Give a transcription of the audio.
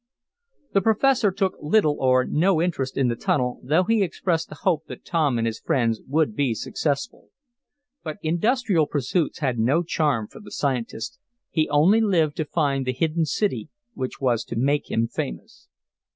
The professor took little or no interest in the tunnel, though he expressed the hope that Tom and his friends would be successful. But industrial pursuits had no charm for the scientist. He only lived to find the hidden city which was to make him famous.